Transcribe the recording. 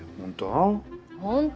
本当？